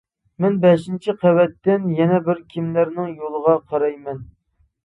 مەن بەشىنچى قەۋەتتىن يەنە بىر كىملەرنىڭ يولىغا قارايمەن.